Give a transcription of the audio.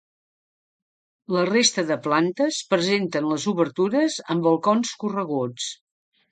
La resta de plantes presenten les obertures amb balcons correguts.